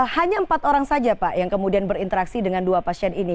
hanya empat orang saja pak yang kemudian berinteraksi dengan dua pasien ini